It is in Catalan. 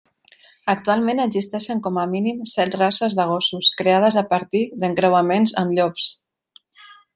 Actualment existeixen com a mínim set races de gossos creades a partir d'encreuaments amb llops.